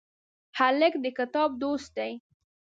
هلک د کتاب دوست دی.